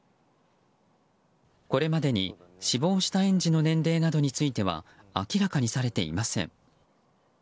これまでに死亡した園児の年齢などについては明らかにされていません。